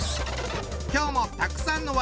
今日もたくさんの笑